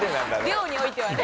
量においてはね